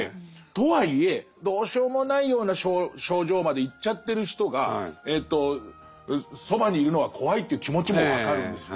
とはいえどうしようもないような症状までいっちゃってる人がそばにいるのは怖いっていう気持ちも分かるんですよ。